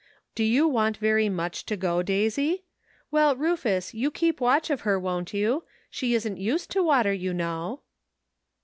Do you want very much to go, Daisy? Well, Rufus, you keep watch of her, won't you? She isn't used to water, you know."